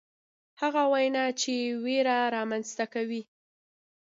هغه وینا چې ویره رامنځته کوي.